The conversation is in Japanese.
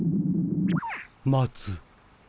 待つ。